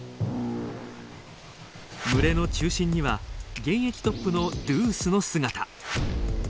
群れの中心には現役トップのドゥースの姿。